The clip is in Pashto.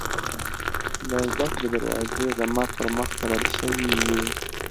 د زدکړې دروازې زما پر مخ تړل شوې وې